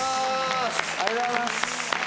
ありがとうございます。